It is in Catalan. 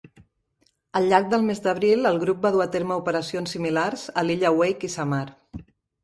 Al llarg del mes d'abril el grup va dur a terme operacions similars a l'illa Wake i Samar.